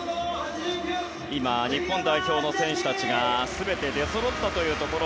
今、日本代表の選手たちが全て出そろったというところ。